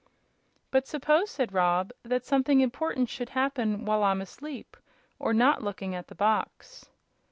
"But suppose," said Rob, "that something important should happen while I'm asleep, or not looking at the box?"